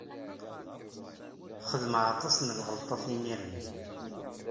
Xedmeɣ aṭas n lɣelṭat imir-nni.